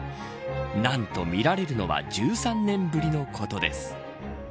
何と見られるのは１３年ぶりのことです。